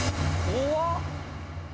「怖っ！」